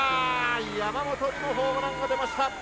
山本にもホームランが出ました。